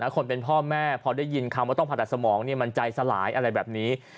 คนเป็นพ่อแม่พอได้ยินคำว่าต้องผ่าตัดสมองมันใจสลายอะไรแบบนี้